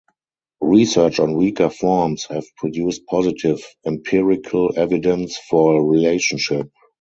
Research on weaker forms have produced positive empirical evidence for a relationship.